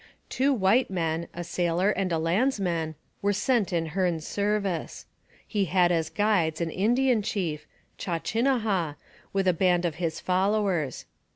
Two white men (a sailor and a landsman) were sent in Hearne's service. He had as guides an Indian chief, Chawchinahaw, with a small band of his followers.